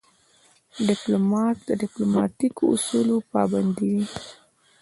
ډيپلومات د ډیپلوماتیکو اصولو پابند وي.